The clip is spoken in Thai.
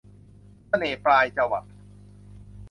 เสน่ห์ปลายจวัก